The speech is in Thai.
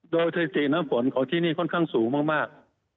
โดยสถิติน้ำฝนของที่นี่ค่อนข้างสูงมาก